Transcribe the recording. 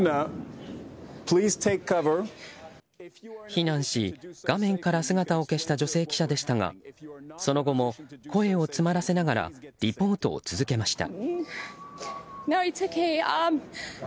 避難し、画面から姿を消した女性記者でしたがその後も声を詰まらせながらリポートを続けました。